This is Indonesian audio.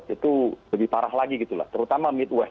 itu lebih parah lagi terutama midwest